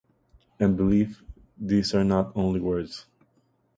And believe, these are not only words.